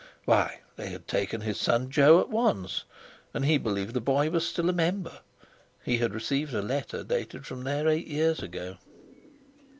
Why! they had taken his son Jo at once, and he believed the boy was still a member; he had received a letter dated from there eight years ago.